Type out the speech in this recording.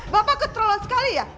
bapak ketrolan sekali ya